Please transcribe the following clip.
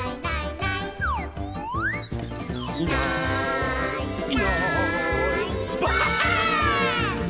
「いないいないばあっ！」